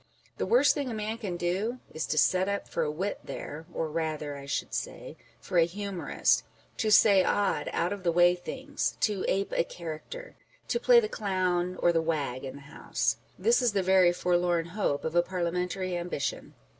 The worse thing a man can do is to set up for a wit there â€" or rather (I should say) for a humorist â€" to say odd out of the way things, to ape a character, to play the clown or the wag in the House. This is the very forlorn hope of a parliamentary ambition.